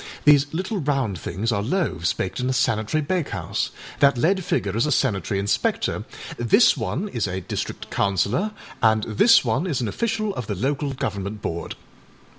These little round things are loaves baked in a sanitary bakehouse. That lead figure is a sanitary inspector, this one is a district councillor, and this one is an official of the Local Government Board.